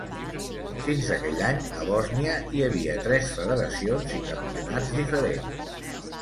Fins aquell any, a Bòsnia hi havia tres federacions i campionats diferents.